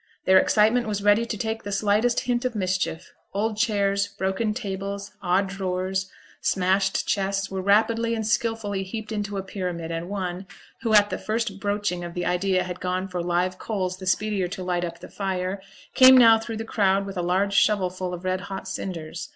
Their excitement was ready to take the slightest hint of mischief; old chairs, broken tables, odd drawers, smashed chests, were rapidly and skilfully heaped into a pyramid, and one, who at the first broaching of the idea had gone for live coals the speedier to light up the fire, came now through the crowd with a large shovelful of red hot cinders.